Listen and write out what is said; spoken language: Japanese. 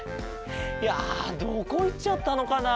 いやどこいっちゃったのかな？